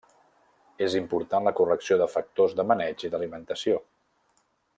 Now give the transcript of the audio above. És important la correcció de factors de maneig i d'alimentació.